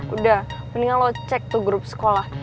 udah mendingan lo cek tuh grup sekolah